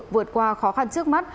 vượt qua khó khăn trước mắt